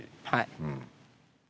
はい。